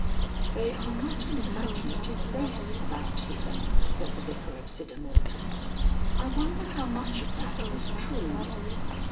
"They are not an imaginative race about here," said the Vicar of Siddermorton, "I wonder how much of that was true.